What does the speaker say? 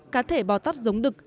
cá thể bò tót giống đực